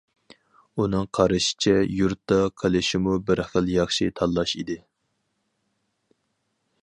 ئۇنىڭ قارىشىچە، يۇرتتا قېلىشمۇ بىر خىل ياخشى تاللاش ئىدى.